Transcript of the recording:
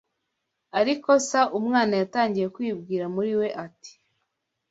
Ari kosa umwana yatangiye kwibwira muri we ati: